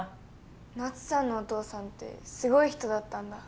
ナツさんのお父さんってすごい人だったんだ。